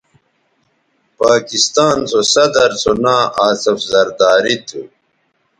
پاکستاں سو صدرسو ناں آصف زرداری تھو